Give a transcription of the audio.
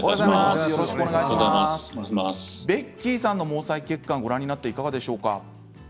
ベッキーさんの毛細血管をご覧になっていかがでしょうか？